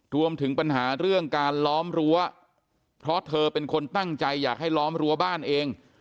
รวมถึงปัญหาเรื่องการล้อมรั้วเพราะเธอเป็นคนตั้งใจอยากให้ล้อมรั้วบ้านเอง